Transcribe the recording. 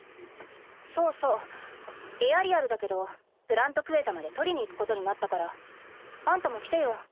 そうそうエアリアルだけどプラント・クエタまで取りに行くことになったからあんたも来てよ。